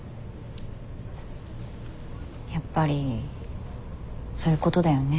やっぱりそういうことだよね。